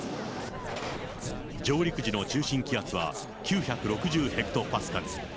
上陸時の中心気圧は９６０ヘクトパスカル。